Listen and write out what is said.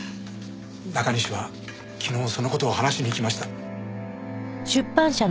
中西は昨日その事を話しに行きました。